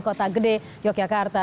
kota gede yogyakarta